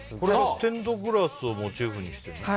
ステンドグラスをモチーフにしてるの？